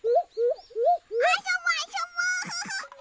あそぼあそぼ！